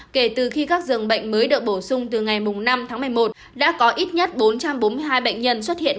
kể từ khi các dường bệnh mới được bổ sung từ ngày năm tháng một mươi một đã có ít nhất bốn trăm bốn mươi hai bệnh nhân xuất hiện